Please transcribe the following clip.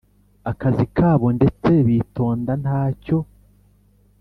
akazi kabo ndetse bitonda ntacyo